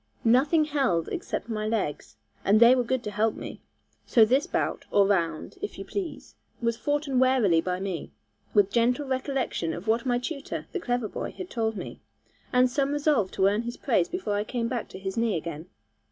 Nothing held except my legs, and they were good to help me. So this bout, or round, if you please, was foughten warily by me, with gentle recollection of what my tutor, the clever boy, had told me, and some resolve to earn his praise before I came back to his knee again.